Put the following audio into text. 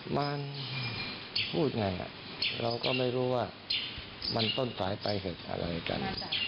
มันพูดไงเราก็ไม่รู้ว่ามันต้นสายไปเหตุอะไรกัน